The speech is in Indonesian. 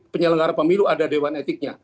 penyelenggara pemilu ada dewan etiknya